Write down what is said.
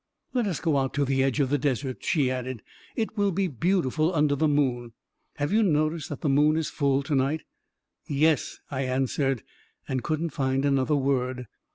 " Let us go out to the edge of the desert," she added. " It will be beauti ful under the moon. Have you noticed that the moon is full to night ?" "Yes," I answered, and couldn't find another ;word.